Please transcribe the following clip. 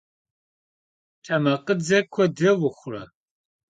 Temakhıdze kuedre vuxhure?